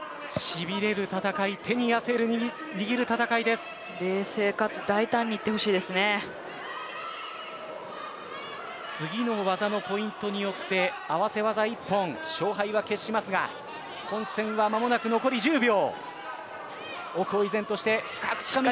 しびれる戦い手に汗握る戦冷静かつ次の技のポイントによって合わせ技一本勝敗は決しますが本戦は間もなく残り１０秒。